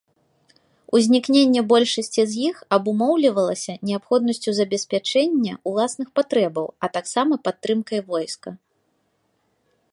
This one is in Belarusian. Узнікненне большасці з іх абумоўлівалася неабходнасцю забеспячэння ўласных патрэбаў, а таксама падтрымкай войска.